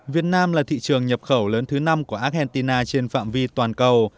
việt nam là thị trường nhập khẩu lớn thứ năm của argentina trên phạm vi toàn cầu